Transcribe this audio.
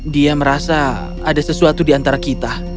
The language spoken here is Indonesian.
dia merasa ada sesuatu di antara kita